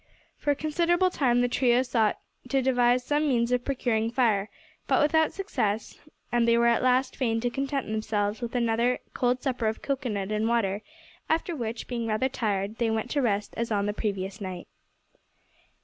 For a considerable time the trio sought to devise some means of procuring fire, but without success, and they were at last fain to content themselves with another cold supper of cocoa nut and water, after which, being rather tired, they went to rest as on the previous night.